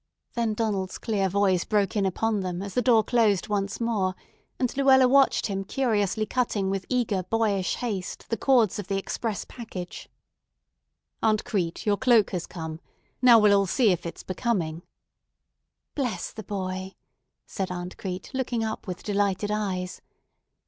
Then Donald's clear voice broke in upon them as the door closed once more, and Luella watched him curiously cutting with eager, boyish haste the cords of the express package. "Aunt Crete, your cloak has come. Now we'll all see if it's becoming." "Bless the boy," said Aunt Crete, looking up with delighted eyes.